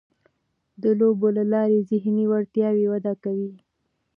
د لوبو له لارې ذهني وړتیاوې وده کوي.